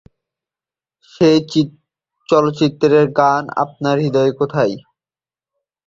সেই চলচ্চিত্রের গান, আপনার হৃদয় কোথায়?